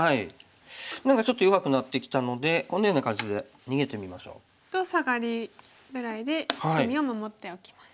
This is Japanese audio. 何かちょっと弱くなってきたのでこんなような感じで逃げてみましょう。とサガリぐらいで隅を守っておきます。